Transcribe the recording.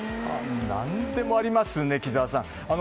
何でもありますね、木沢さん。